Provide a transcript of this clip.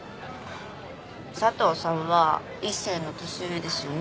佐藤さんは一星の年上ですよね？